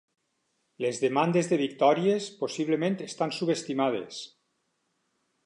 Les demandes de victòries possiblement estan subestimades.